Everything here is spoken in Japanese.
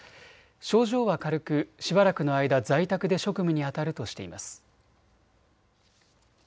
症状は軽く、しばらくの間在宅で職務にあたるとしています。